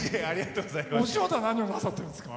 お仕事は何をなさってるんですか？